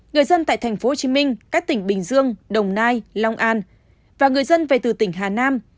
người dân tại tp hcm các tỉnh bình dương đồng nai long an và người dân về từ tỉnh hà nam